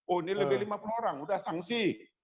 oh ini lebih lima puluh orang udah sanksi